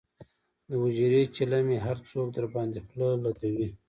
دحجرې چیلم یې هر څوک درباندې خله لکوي.